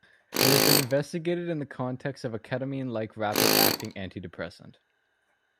It has been investigated in the context of ketamine-like rapid acting antidepressant.